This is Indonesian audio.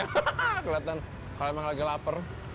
hahaha kelihatan kalau memang lagi lapar